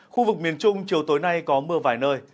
khu vực miền trung chiều tối nay có mưa vài nơi